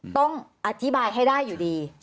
ต้องอธิบายให้ได้อยู่ดี